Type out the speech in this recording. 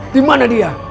di mana dia